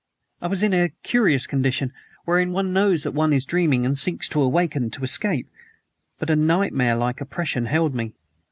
"I was in that curious condition wherein one knows that one is dreaming and seeks to awaken to escape. But a nightmare like oppression held me.